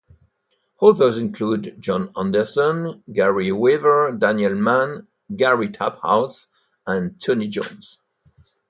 Others include John Anderson, Gary Weaver, Daniel Mann, Gary Taphouse and Tony Jones.